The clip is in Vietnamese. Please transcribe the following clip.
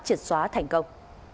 triệt xóa thành công